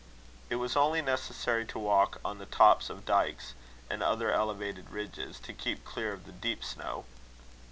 It was only necessary to walk on the tops of dykes, and other elevated ridges, to keep clear of the deep snow.